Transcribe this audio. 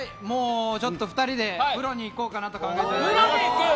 ２人でプロに行こうかなと考えています。